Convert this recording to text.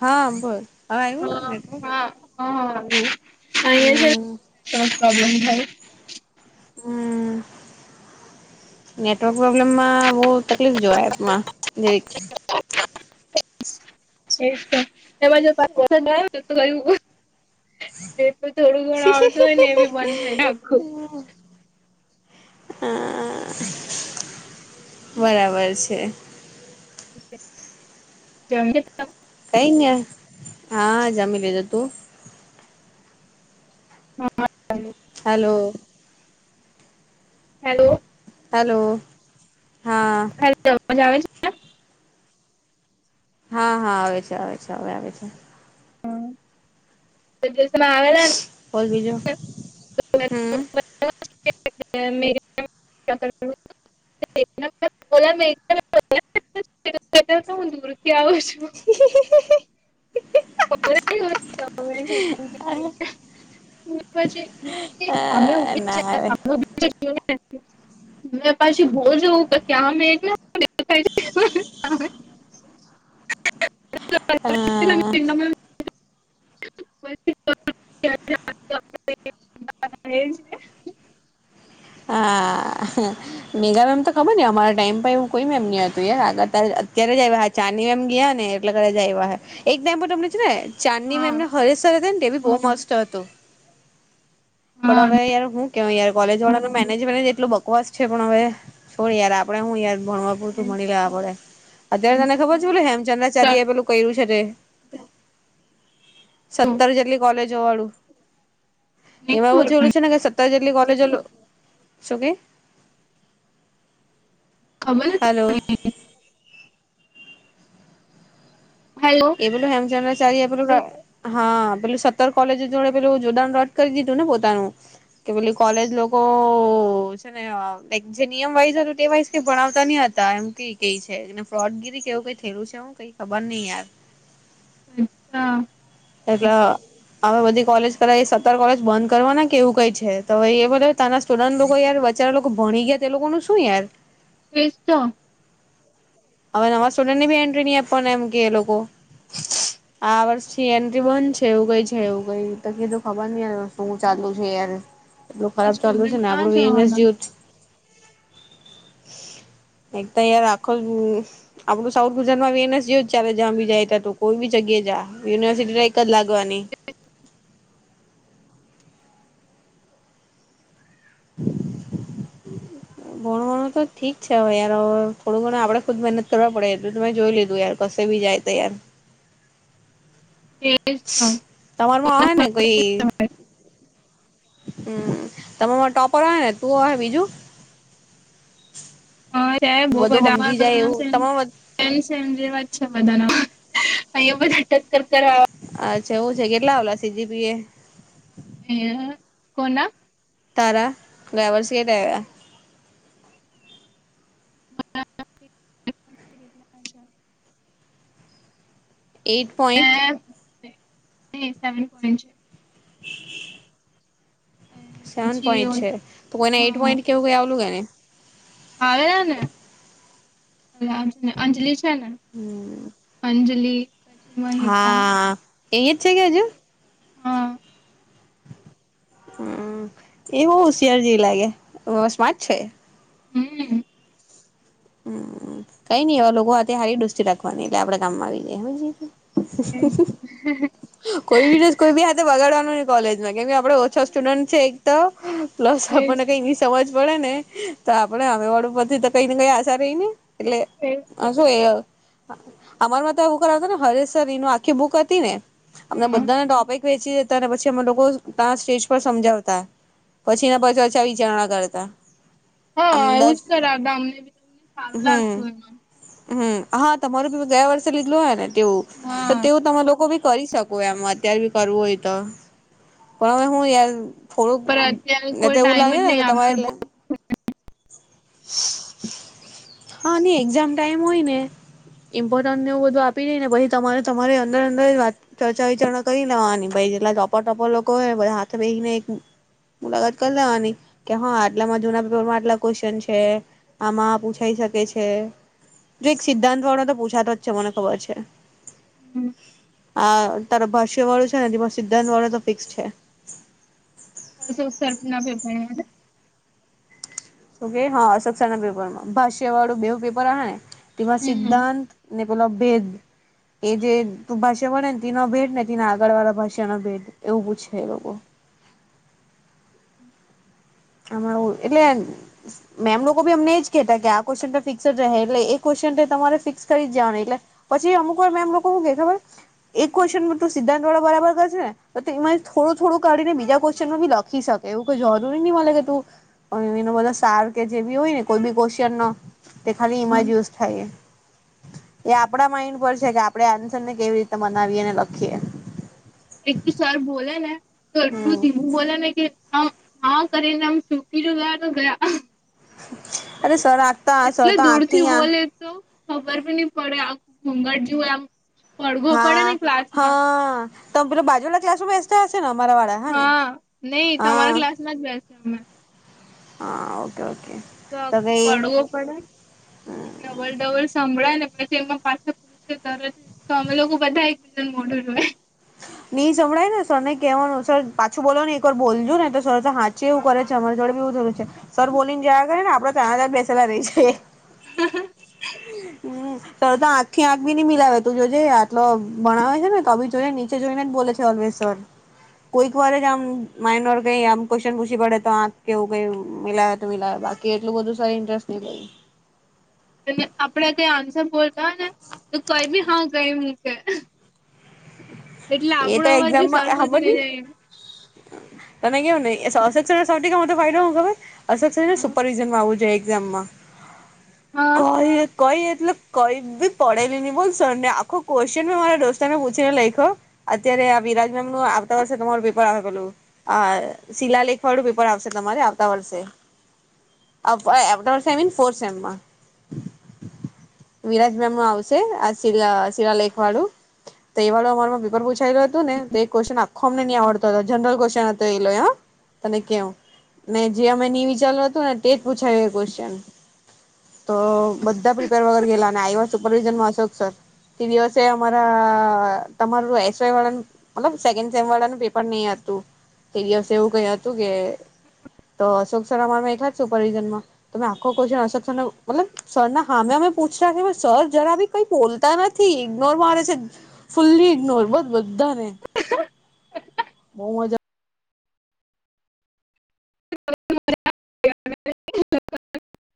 હા બોલ હવે આવ્યું નેટવક? હ હ હમ હા પ્રોબ્લેમ થાય. હમ નેટવર્ક પ્રોબ્લેમમાં બહુ તકલીફ જોય એપમાં જેવી. તો એ જો પસંદ આવે તો ગયુ. એ તો થોડું ઘણું આવતું હોય ને એ બી બંધ થાય આખું હા બરાબર છે. [inaudible] કઈ ને હા જમી લીધું તું? હા હલો! હેલો હલો હા હેલો અવાજ આવે છે? હા હા આવે છે આવે છે હવે આવે છે. બોલ દિવસમાં બીજું આવેલા હમ ને- [unintelligible] હુ દૂર થી આવું છું- છ [unintelligible] સામે ઉભી ના છે. આવે મેં પછી બોલ જવું [unintelligible] કેયા એક હા [unintelligible] [unintelligible] આ હા- મેગા મેમ તો ખબર અમારા ટાઈમ એવું કોઈ મેમ ન હતું યાર આગળ અત્યારે જ- ચાંદ એમ ગયા ને એટલે કર એવા હ એક ટાઈમ તમને છે ને ચાંદની હા મેમને હરેશ હતા ને એ બી બહુ મસ્ત હતો- પણ હા હવે યાર હું કરવુ યાર કોલેજ વાળા ન મેનેજમેન્ટ એટલું બકવાસ છે. પણ હવે છોડ યાર આપડે હું યાર ભણવા- હુ મળી લે પડે અત્યારે તને ખબર છેલે હેમચંદ્રાચાર્ય એ પેલું કર્યું છે તે? સત્તર જેટલી કોલેજો વાળું- નહી એમાં ખબર એવું થયેલું પણ છે ને કે સત્તર જેટલી કોલેજ શું કે- ખબર નથી હલો હેલો એમ બોલુ હેમચંદ્રાચાર્ય એ પેલુ હા પેલું સત્તર કોલેજો જોડે પેલું જોડાણ રદ કરી દીધું ને પોતાનું- કે પેલી કોલેજ લોકો છે ને જે નિયમ વાઈઝ હતુ તે વાઈઝ કઈ ભણાવતા ની હતા એમ ક કઈ છેને ફ્રોડગીરી કેવું કઈ થયું છે હું કઈ ખબર નહી યાર અચ્છા એ [unintelligible] હવે બધી કોલેજ કરાય સતર કોલેજ બંધ કરવા ના કે એવું કઈ છે તો હવે એ બધા તાના થોડા લોકો યાર બીચારા લોકો ભણી ગયા તે લોકોનું શું યાર એ જ તો. હવે નવા સોલર ની બી એન્ટ્રી નહી આપવાને એમ કે એ લોકો [inaudible] આ વર્ષથી એન્ટ્રી બંધ છે એવું કઈ છે એવું કઈ કીધું ખબર નઈ યાર વસ્તુું ચાલુ છે યાર- એટલું ખરાબ ચાલ્યું છે સ્ટુડન્ટ ને ક્યાં આપણું વીનેસ જવાના જેવુંજ - એકતો યાર આખો આપડું સાઉથ ગુજરાત માં વિનેસ જેવુંજ ચાલે જ્યાં બી જાય ત તો કોઈ જગ્યાએ જ યુનિવર્સિટી જ લાગવાની [unintelligible] અચછ [unintelligible] [unintelligible] ભણવાણું તો ઠીક છે હવે યાર થોડું ઘણું આપડે ખુદ મહેનત કરવા પડે એતો મે જોઈ લીધું યાર કસે બી જાય તો યાર એજ તો તમારમાં હોય ને કોઈ હમ તમા ટોપર હો ને તું હો બીજું- હા ત્યા બહુ બધું બધા અમારે સમજી જાય બધા શે એવું એમ તમા છેમ છેમ જેવા જ છે બધાના અહીયા બધા ટક્કર કર અચ્છા એવુ છે કેટલા આવેલા સજીપી એ હે કોના? તારા ડ્રાઈવર સીએ કાહિવા. [unintelligible] એટ પોઈન્ટ એ સેવન પોઈન્ટ છે. સેવન પોઈન્ટ પછી છે તો કોઈને એઈટ પોઈન્ટ કેવું કે આવલું ગને આવે ને એનું નામ શું છે અંજલિ છે ને અંજલી હા એ જ છે કે હજુ? હા. હમ એ બહ હોશિયાર જે લાગેસ્માર્ જ છે. હમ. હમ કઈ નઈ એવા લોકો અત્યારે સારી દુષ્ટતી રાખવાની એટલે આપડા ગામમાં આવી જાય એજ સમું. કોઈ બી કોઈ બી હાથે બગાડવાનું ન કોલેજમાં કેમ આપડે સ છે પ્સ [unintelligible] સમજ પડે ને, તો આપડે અમે વળું પથી તો કઈ ને કઈ આશા રહી ને. એટલે એજ તો હસું એ અમારમાં તો એવું કર હત ને હરેશ સર એનું આખી બુક હતી ને, અમને હા બધાને ટોપિક વેચી દેતા અને પછી અમે લોકો ત્યા સ્ટેજ પર સમજાવતા. પછી ના પછછા વિચારણા કરતા. આમ હા એવું દસ જ કર ગામ ને બી અમને. હમ હમ, હા તમારું બી ગયા વર્ષે લીધેલું હોય ને તેવું હા તેવું તમે લોકો બી કરી શકો એમ અત્યારે બી કરવું હોય તો, પણ હવે હું યાર પણ અત્યારે થોડું કોઈ એવું ટાઈમ જ નહી લાગે આપશે તમારે એટલે. હા ન એક્ઝામ ટાઈમ હોય ને. ઇમ્પોર્ન્ટને એવું બધું આપી દઈ ને પછી તમારે તમારી અંદર અંદર વાત ચર્ચા વિચરણા કરી લેવાનીઈ જેટલા ટપા ટોપર લોકો હોયનેધ હાથ બેહીને એક મુલાકાત કરી લેવાની કે, હા આટલામાં જુના પેપરમાં આટલા ક્વેશ્ચન છે, આમાં પૂછાઈ શકે છે જો એક સિદ્ધાંત વાળો તો પૂછાતો જ છે મને ખબર છે. હમ. આ તારો ભાષ્ય વાળો છે ને તે સિદ્ધાંત વાળો તો ફિક્સ છે. આવ સર ના પેપર યાદ હે ઓકે હા સસર ના પેપરમાં ભાષ્ય વાળું બેવું પેપર આહે તેમાં હમ સિદ્ધાંત ને પલો ભેધ એ જે તું ભાષા વળે ને તેનો ભેદ ને તને આગળ વાળા ભાષા ના ભેદ એવું પૂછે લે લોકો. આમાંઉં એટલે સે મેમ લોકો બી અમને એજ કેતા કે આ ક્યુએશન ફિક્સ રહે એટલે એ ક્યુએશન તમારે ફિક્સ કરી જવાનું એટલે પછી અમુક વાર મેં મેમ લોકો હું કે ખબર હૈ એક ક્યુએશન નું તો સીધા પેલા બરાબર કરજ ને તો એમાં થોડ થોડું કાઢને બજા ક્વેશ્ચનમા ભી લખી શકે એવું કઈ જરૂર નહીં મલે કે તું અહ એના બધાં સાર કે જે ભી હોય ને કોઈ બી ક્યુએશન નો તે ખાલી એમાંજ યુઝ થાયએ. એ આપડા માઈન્ડ પર છે કે આપડે આનસ્વર ને કેવી રીતે મનાવીએ અને લખીએ. એક તો સર બોલે ને તો એટલું હમ ધીમું બોલે ને કે આમ આમ કરીને આમ ચૂકી ને ગયા તો ગયા. અરે સર આખતા સર એટલે તો દૂરથી આખતી આ બોલે તો ખબર બી નહીં પડે આ ઘૂઘટ જેવું આમ પડઘો પડે હા ને ક્લાસમાં હા તમે પેલો બાજુના ક્લાસરૂમમાં બેસ તા હસો ને અમારા વાળા હા ને હા નાજ બેસીએ હમણાં હા ઓકે ઓકે. તો આખું પડવો પડે ડબલ ડબલ સંભળાય ને પછી એમાં પાછ ત તો અમે લોકો બધા એક બીજા મોઢુ જોય નહી સંભળાયે ને સર ને કેહેવાનું સર પાછું બોલો ને એક વાર બોલજો ને તો સર હા એવું કરે છે અમારી જોડે બીવું જરૂર છે સર બોલી ને જ કરે ને આપડે તારણા તાર બેસેલા રહી જઇએ. હ હ. સર તો આંખથી આંખ બી નઈ મિલાવે તું જોજે આટલો ભણાવ છે ને તો બી જોઈ નીચે જોઈને જ બોલે છે ઓલવેઝ. તર કોઈક વાર જ આમ માઇડર કઈ ક્વેશ્ચન પૂછી પડે તો હ આખ કેવું કઇ મિલાવે તો મિલાવે બાકી કે એટલું બધું સર ઇન્ટરેસ્ટ નહી લે. અને આપડે કઈ આન્સર બોલતા હોય ને તો કઈ બી હા કઈ હું કે એ તો અવાજ બી એક્ઝામ માં સર સુધી નહી હમણની જાય તને કેવું નહીમાં [unintelligible] તો ફાયદો હો ખબર હ અસ સર છ હા સુપરવિઝનમાં આવું જોઈ એક્ઝામમાં હા કઈ કઈ એતલ કઈ બી પડેલી નહી બોલ સર ને આખો ક્વેશ્ચન મે મારા દોસ્તોને પૂછીને લખ્યો. અત્યારે આ વિરાજનામ નું આવતા વર્ષે તમારું પેપર આવે ગેલું હા શિલાલેખ વાળું પેપર આવશે તમારે આવતા વર્ષે [unintelligible] ફોર સેમમાં વિરાજ મેમ નું આવશે આ શિલા શિરાલેખ વાળું તો એ વાળું અમાર પૂછેલું ગયું તું ને તો ક્વેશ્ચન આખો અમને નહીં આવડું. જનરલ ક્વેશ્ચન હતો એ લો હ તને કેવું ને જે અમે ન વિચાર્યું હતું ને તે જ પૂછાયું એ ક્વેશ્ચન તો બધા પ્રિપેર વગર ગેલાને આવ્યા સુપરવિઝનમાં અશોક સર તે દિવસે અમારા તમારું એસ વાય વાળાનું. મતલબ સેકન્ડ સેમળાવા નું પેપર નહ હતું તે દિવસે એવું કહ્યું હતું કે તો અશોક સર બેઠાજ સુપરવિઝનમાં તમે આખો ક્વેશ્ચન અશોક સર ને મતલબ સરના સામે અમે પૂછ્યા કે સર જરા બી કઈ બોલતા નથી ઇગ્નોર મારે છે. ફુલ્લી ઇગ્નોર બોલ બધાધને બહુ મજા પ [inaudible] [inaudible]